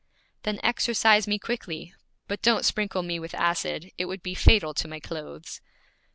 'Then exorcise me quickly, but don't sprinkle me with acid; it would be fatal to my clothes.'